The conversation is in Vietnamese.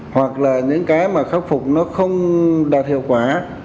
hoặc là những cái mà khắc phục nó không đạt hiệu quả